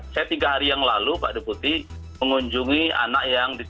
saya tiga hari yang lalu pak deputi mengunjungi anak yang di